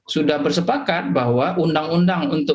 sudah bersepakat bahwa undang undang untuk